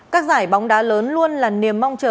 các giải bóng đá lớn luôn là niềm mong chờ